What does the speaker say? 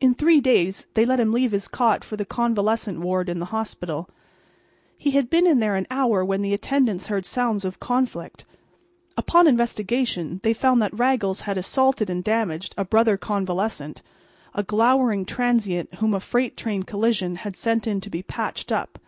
In three days they let him leave his cot for the convalescent ward in the hospital. He had been in there an hour when the attendants heard sounds of conflict. Upon investigation they found that Raggles had assaulted and damaged a brother convalescent—a glowering transient whom a freight train collision had sent in to be patched up.